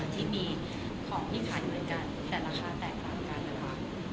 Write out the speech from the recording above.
ที่มีของที่ขายเหมือนกันแต่ราคาแตกต่างกันนะคะ